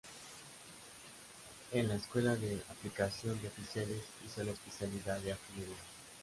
En la Escuela de Aplicación de Oficiales hizo la especialidad de Artillería.